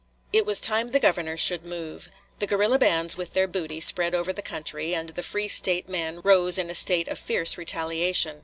It was time the Governor should move. The guerrilla bands with their booty spread over the country, and the free State men rose in a spirit of fierce retaliation.